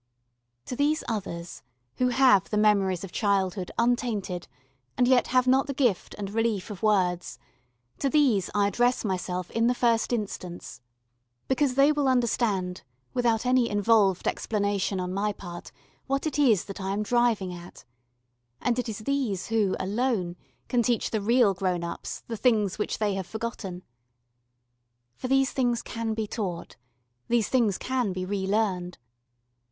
To these others who have the memories of childhood untainted and yet have not the gift and relief of words, to these I address myself in the first instance, because they will understand without any involved explanation on my part what it is that I am driving at, and it is these who, alone, can teach the real grown ups the things which they have forgotten. For these things can be taught, these things can be re learned.